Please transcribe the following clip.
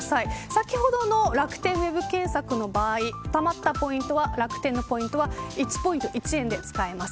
先ほどの楽天ウェブ検索の場合たまった楽天のポイントは１ポイント１円で使えます。